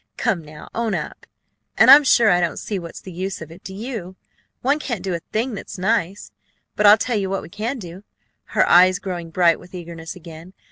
Come, now, own up. And I'm sure I don't see what's the use of it, do you? One can't do a thing that's nice. But I'll tell you what we can do!" her eyes growing bright with eagerness again.